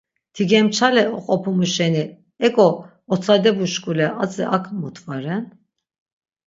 Tigemçale oqopumu şeni ek̆o otsadebu şk̆ule atzi ak mot va ren?